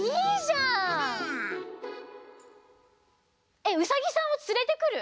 えっウサギさんをつれてくる？